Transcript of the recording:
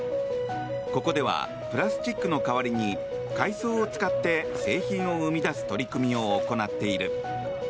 ここではプラスチックの代わりに海藻を使って製品を生み出す取り組みを行っている。